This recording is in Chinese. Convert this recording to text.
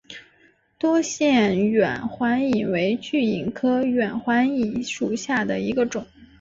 多腺远环蚓为巨蚓科远环蚓属下的一个种。